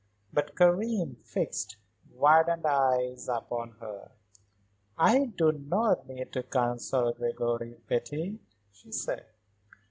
But Karen fixed widened eyes upon her. "I do not need to consult Gregory, Betty," she said.